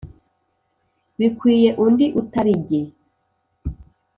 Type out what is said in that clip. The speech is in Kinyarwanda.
bikwiye undi utali jye